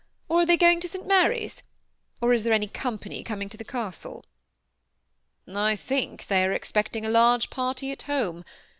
or are they going to St. Mary's ? or is there any company coming to the castle ?"^ I think they are expecting a large party at home.